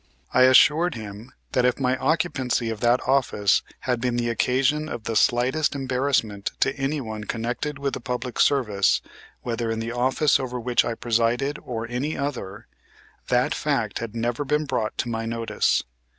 I assured him that if my occupancy of that office had been the occasion of the slightest embarrassment to anyone connected with the public service, whether in the office over which I presided or any other, that fact had never been brought to my notice.